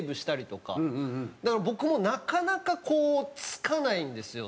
だから僕もなかなかこうつかないんですよ